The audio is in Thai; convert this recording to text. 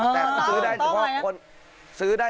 แต่ซื้อได้เฉพาะคนไร้สติเท่านั้น